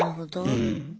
うん。